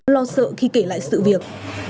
lo sợ khi kể lại sự việc